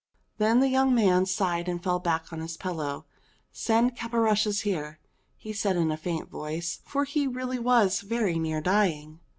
Then the young man sighed and fell back on his pillow. "Send Caporushes here," he said in a faint voice; for he really was very near dying.